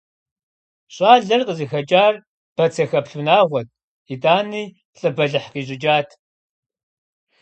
ЩӀалэр къызыхэкӀар бацэхэплъ унагъуэт, итӀани лӀы бэлыхъ къищӀыкӀат.